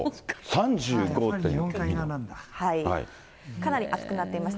かなり暑くなっています。